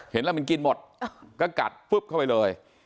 เห็นแล้วมันกินหมดก็กัดปุ๊บเข้าไปเลย